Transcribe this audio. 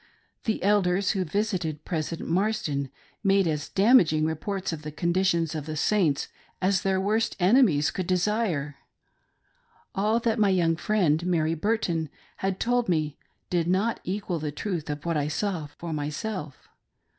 The Elders who visited President Mars den made as damaging reports of the condition of the Saints as their worst enemies could desire. All that my young friend, Mary Burton, had told me did not equal the truth of what I saw for myself.